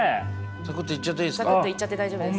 サクッといっちゃって大丈夫です。